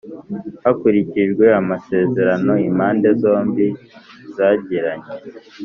hakurikijwe amasezerano impande zombi zagiranye.